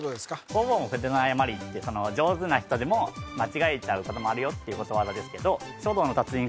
弘法も筆の誤りって上手な人でも間違えちゃうこともあるよっていうことわざですけど書道の達人